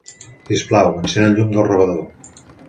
Sisplau, encén el llum del rebedor.